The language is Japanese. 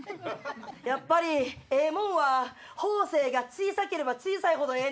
やっぱりええもんは方正が小さければ小さいほどええねん。